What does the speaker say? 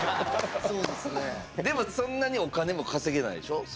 でもそんなにお金も稼げないでしょ？